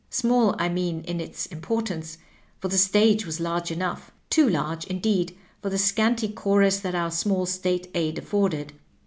Small, I mean, in its importance, for the stage was large enough — too large, indeed, for the scanty chorus that our small State aid afforded.